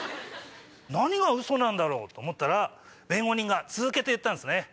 何がウソなんだろう？と思ったら弁護人が続けて言ったんですね。